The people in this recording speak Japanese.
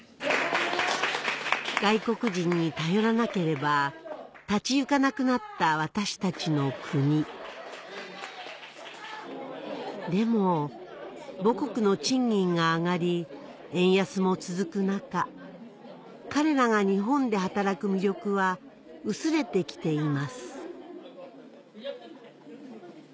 外国人に頼らなければ立ち行かなくなった私たちの国でも母国の賃金が上がり円安も続く中彼らが日本で働く魅力は薄れて来ています